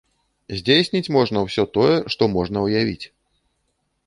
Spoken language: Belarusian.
Здзейсніць можна ўсё тое, што можна ўявіць.